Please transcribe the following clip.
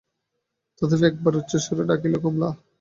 তথাপি একবার উচ্চৈঃস্বরে ডাকিল, কমলা!